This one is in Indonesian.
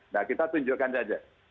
nah kita tunjukkan saja